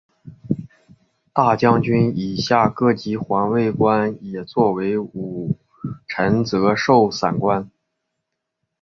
大将军以下各级环卫官也作为武臣责授散官。